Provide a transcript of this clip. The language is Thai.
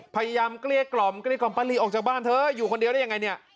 เกลี้ยกล่อมเกลี้ยกล่อมป้าลีออกจากบ้านเธออยู่คนเดียวได้ยังไงเนี่ย